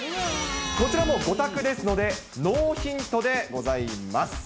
こちらも５択ですので、ノーヒントでございます。